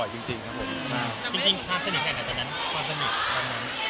จริงจริงความสนุกเอะหน่อยตอนนั้น